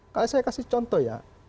kalau saya kasih contoh ya